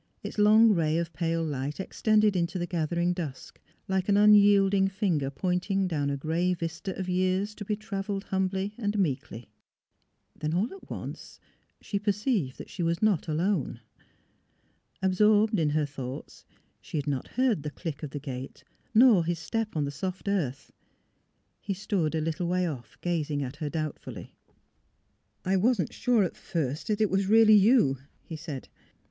Its long ray of pale light extended into the gathering dusk, like an unyielding finger point ing down a gray vista of years to be travelled humbly and meekly. Then, all at once, she perceived that she was not alone. Absorbed in her thoughts, she had not heard the click of the gate nor his step on the soft earth. He stood, a little way off, gazing at her doubtfully. *' I — wasn't sure at first that it was really you," he said.